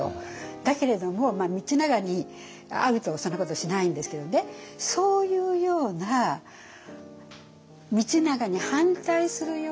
だけれども道長に会うとそんなことしないんですけどねそういうような定子さんがいましたよね